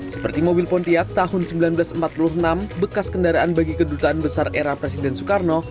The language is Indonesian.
seperti mobil pontiak tahun seribu sembilan ratus empat puluh enam bekas kendaraan bagi kedutaan besar era presiden soekarno